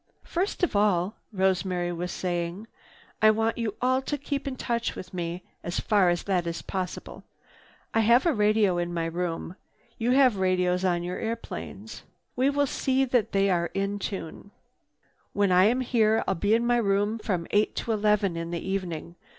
"First of all," Rosemary was saying, "I want you all to keep in touch with me as far as that is possible. I have a radio in my room. You have radios on your airplanes. We will see that they are in tune. When I am here I'll be in my room from eight to eleven in the evening.